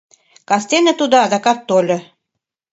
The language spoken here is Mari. Кастене тудо адакат тольо.